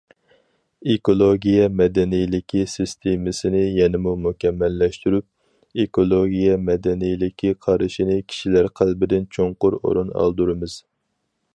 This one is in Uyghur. ئېكولوگىيە مەدەنىيلىكى سىستېمىسىنى يەنىمۇ مۇكەممەللەشتۈرۈپ، ئېكولوگىيە مەدەنىيلىكى قارىشىنى كىشىلەر قەلبىدىن چوڭقۇر ئورۇن ئالدۇرىمىز.